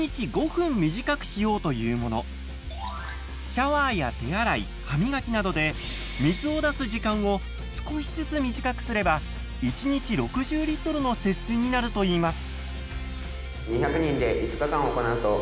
シャワーや手洗い歯磨きなどで水を出す時間を少しずつ短くすれば１日６０リットルの節水になるといいます。